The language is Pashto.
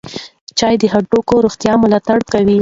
چای د هډوکو روغتیا ملاتړ کوي.